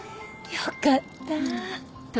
よかった！